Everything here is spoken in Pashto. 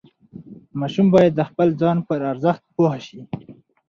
ماشوم باید د خپل ځان پر ارزښت پوه شي.